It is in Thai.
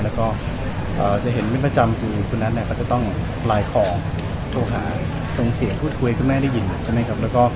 แล้วก็จะเห็นเป็นประจำคือคุณนัทก็จะต้องไลน์ของโทรหาส่งเสียงพูดคุยคุณแม่ได้ยินใช่ไหมครับ